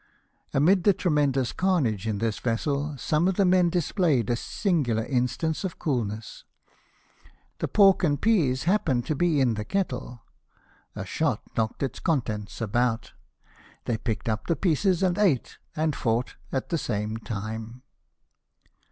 Amid the tremendous carnage in this vessel, some of the men displayed a singular instance of coolness. The pork and peas happened to be in the kettle ; a shot knocked its contents about; they picked up the pieces, and ate and fought at the same time.